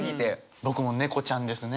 僕もネコちゃんですね